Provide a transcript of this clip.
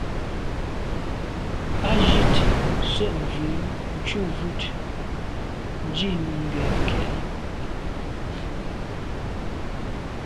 Á jíìt sə́ vhə̀ə́ thúvʉ́ dlíj Nùŋgɛ̀ kɛ́ɛ̀ á.